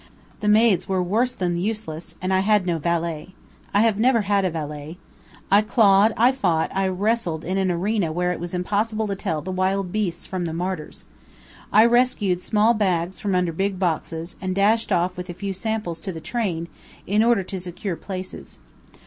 The maids were worse than useless, and I had no valet. I have never had a valet. I clawed, I fought, I wrestled in an arena where it was impossible to tell the wild beasts from the martyrs. I rescued small bags from under big boxes, and dashed off with a few samples to the train, in order to secure places.